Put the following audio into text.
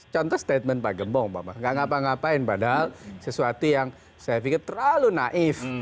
contoh statement pak gembong gak ngapa ngapain padahal sesuatu yang saya pikir terlalu naif